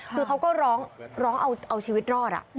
คือเขาก็ร้องเอาชีวิตรอด